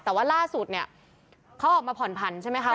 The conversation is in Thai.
แต่ว่าล่าสุดเนี่ยเขาออกมาผ่อนผันใช่ไหมคะ